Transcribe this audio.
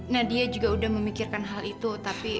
nadia juga udah memikirkan hal itu tapi